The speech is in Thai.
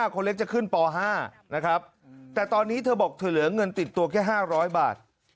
คนเล็กจะขึ้นป๕นะครับแต่ตอนนี้เธอบอกเธอเหลือเงินติดตัวแค่๕๐๐บาท